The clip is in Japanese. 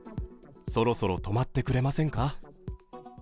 そろそろ止まってくれませんか。